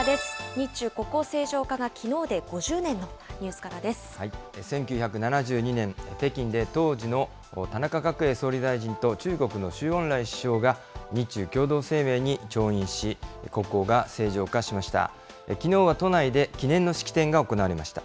日中国交正常化がきのうで５０年１９７２年、北京で当時の田中角栄総理大臣と中国の周恩来首相が、日中共同声明に調印し、国交が正常化しました。